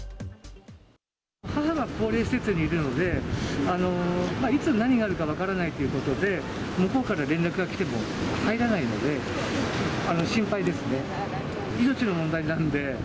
母が高齢施設にいるので、いつ何があるか分からないということで、向こうから連絡が来ても、入らないので、心配ですね。